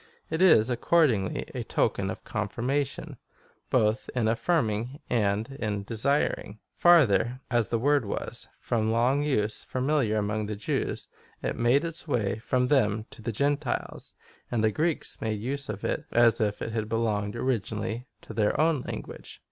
^ It is, accordingly, a token of confir mation,^ both in affirming, and in desiring.® Farther, as the word was, from long use, familiar among the Joavs, it made its way from them to the Gentiles, and the Greeks made use of it as if it had belonged originally to their own language.